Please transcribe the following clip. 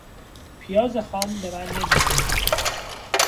پیاز خام به من نمیسازد.